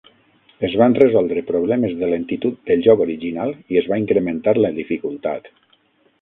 Es van resoldre problemes de lentitud del joc original i es va incrementar la dificultat.